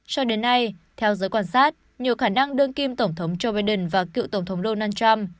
cho đến nay theo giới quan sát nhiều khả năng đương kim tổng thống joe biden và cựu tổng thống donald trump